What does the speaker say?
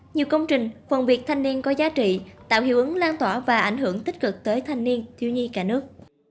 nhiều công trình phần việc thanh niên có giá trị tạo hiệu ứng lan tỏa và ảnh hưởng tích cực tới thanh niên thiếu nhi cả nước